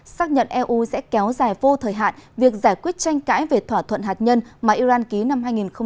xác nhận eu sẽ kéo dài vô thời hạn việc giải quyết tranh cãi về thỏa thuận hạt nhân mà iran ký năm hai nghìn một mươi năm